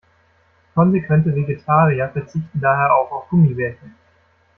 Konsequente Vegetarier verzichten daher auch auf Gummibärchen.